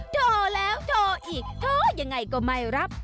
โทรแล้วโทรอีกโทรยังไงก็ไม่รับ